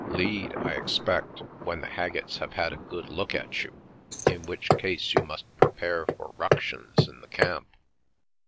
" Lead, I expect, when the Haggetts have had a good look at you, in which case you must prepare for ructions in the camp."